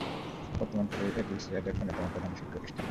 বর্তমান কালে এটি ইস্রায়েলের অন্যতম প্রধান শিল্প প্রতিষ্ঠান।